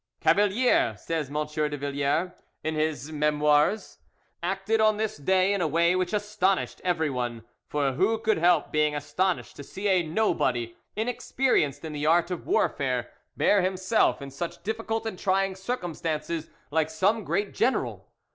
"Cavalier," says M. de Villars, in his Memoirs, "acted on this day in a way which astonished everyone. For who could help being astonished to see a nobody, inexperienced in the art of warfare, bear himself in such difficult and trying circumstances like some great general?